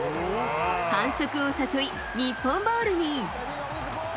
反則を誘い、日本ボールに。